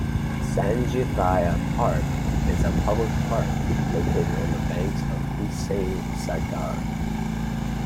Sanjeevaiah Park is a public park located on the banks of Hussain Sagar.